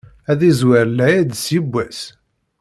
Ad izwer lɛid s yibbwas.